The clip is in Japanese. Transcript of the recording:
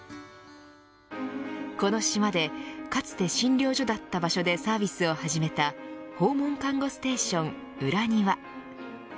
この島でかつて診療所だった場所でサービスを始めた訪問看護ステーションうらにわ。